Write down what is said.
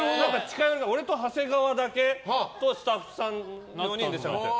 俺と長谷川とスタッフさん４人でしゃべってた。